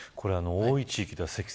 多い地域では積算